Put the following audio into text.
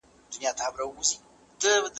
خلکو د خرو، سپیو او موږکانو غوښې وخوړې.